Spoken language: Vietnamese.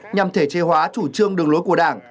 nhằm thể chế hóa chủ trương đường lối của đảng